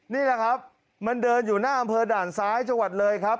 นี่แหละครับมันเดินอยู่หน้าอำเภอด่านซ้ายจังหวัดเลยครับ